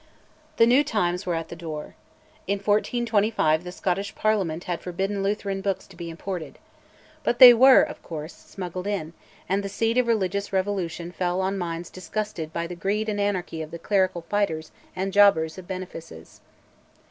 The new times were at the door. In 1425 the Scottish Parliament had forbidden Lutheran books to be imported. But they were, of course, smuggled in; and the seed of religious revolution fell on minds disgusted by the greed and anarchy of the clerical fighters and jobbers of benefices.